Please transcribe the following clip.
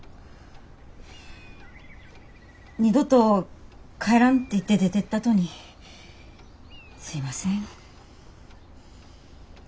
二度と帰らんって言って出てったとにすいません。